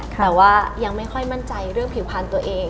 แต่ว่ายังไม่ค่อยมั่นใจเรื่องผิวพันธุ์ตัวเอง